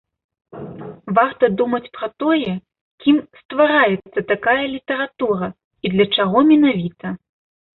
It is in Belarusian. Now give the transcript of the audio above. Варта думаць пра тое, кім ствараецца такая літаратура і для чаго менавіта.